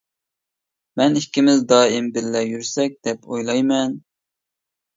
-مەن ئىككىمىز دائىم بىللە يۈرسەك دەپ ئويلايمەن.